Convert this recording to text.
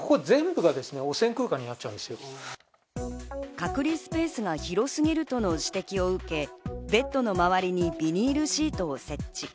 隔離スペースが広すぎるとの指摘を受け、ベッドの周りにビニールシートを設置。